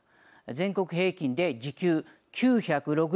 全国平均で時給９６１円。